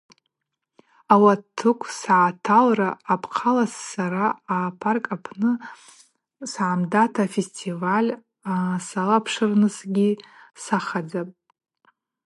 Ауатыкв сгӏаталра апхъала сара апарк апны сгӏамдата афестиваль салапшырнысгьи сахадзатӏ.